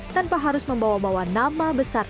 tanpa harus membawa bawa nama besar seorang putra